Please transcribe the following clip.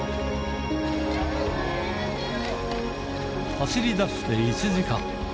走りだして１時間。